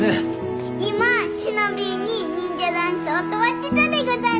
今しのびぃに忍者ダンス教わってたでござる！